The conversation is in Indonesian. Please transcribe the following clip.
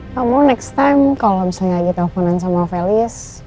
kamu next time kalau misalnya kita hubungan sama felis